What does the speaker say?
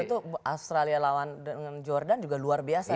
tapi australia lawan dengan jordan juga luar biasa ternyata